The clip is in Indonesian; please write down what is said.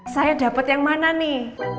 saya dapat yang mana nih